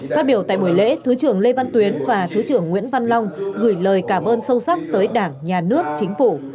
phát biểu tại buổi lễ thứ trưởng lê văn tuyến và thứ trưởng nguyễn văn long gửi lời cảm ơn sâu sắc tới đảng nhà nước chính phủ